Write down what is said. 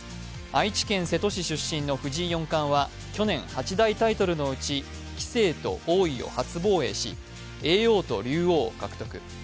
愛知県瀬戸市出身の藤井四冠は去年、８大タイトルのうち棋聖と王位を初防衛し、叡王と竜王を獲得。